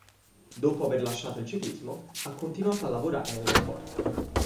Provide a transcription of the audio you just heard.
Dopo aver lasciato il ciclismo ha continuato a lavorare nello sport.